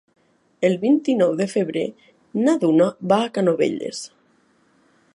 El vint-i-nou de febrer na Duna va a Canovelles.